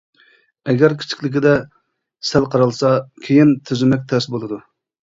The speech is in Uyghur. ئەگەر كىچىكلىكىدە سەل قارالسا كېيىن تۈزىمەك تەس بولىدۇ.